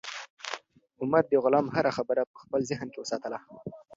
عمر د غلام هره خبره په خپل ذهن کې وساتله.